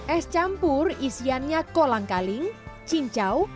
es campur isiannya kolang kaling cincau